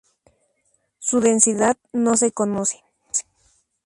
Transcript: Su densidad no se conoce.